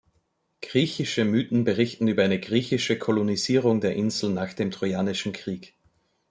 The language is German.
Griechische Mythen berichten über eine griechische Kolonisierung der Insel nach dem trojanischen Krieg.